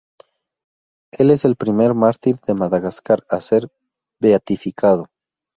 Él es el primer mártir de Madagascar a ser beatificado.